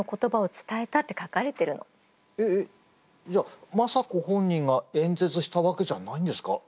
えっえっじゃあ政子本人が演説したわけじゃないんですか？